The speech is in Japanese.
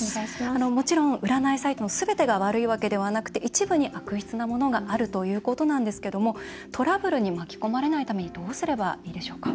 もちろん、占いサイトのすべてが悪いわけではなくて一部に悪質なものがあるということなんですけどもトラブルに巻き込まれないためにどうすればいいでしょうか？